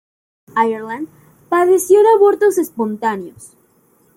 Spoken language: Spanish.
Ireland padeció de abortos espontáneos.